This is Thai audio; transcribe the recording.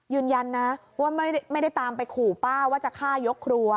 ยืนยันนะว่าไม่ได้ตามไปขู่ป้าว่าจะฆ่ายกครัว